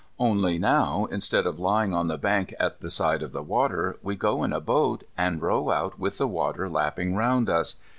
Only, now, instead of lying on the bank at the side of the water, we go in a boat, and row out with the water lapping round us.